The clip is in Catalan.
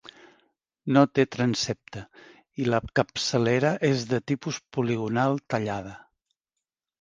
No té transsepte i la capçalera és de tipus poligonal tallada.